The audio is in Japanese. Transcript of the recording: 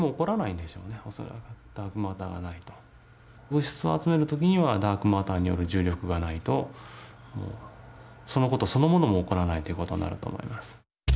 物質を集めるときにはダークマターによる重力がないとそのことそのものも起こらないということになると思います。